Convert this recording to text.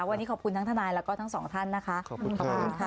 วันนี้ขอบคุณทั้งท่านายและก็ทั้งสองท่านนะครับ